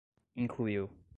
incluiu